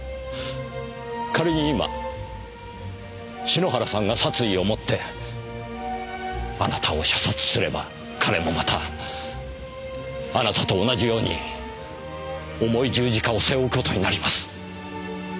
仮に今篠原さんが殺意を持ってあなたを射殺すれば彼もまたあなたと同じように重い十字架を背負う事になります。